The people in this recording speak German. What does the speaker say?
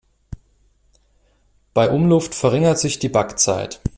Bei Umluft verringert sich die Backzeit.